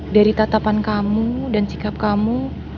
dari tatapan kamu dan sikap kamu